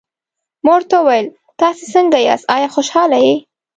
ما ورته وویل: تاسي څنګه یاست، آیا خوشحاله یې؟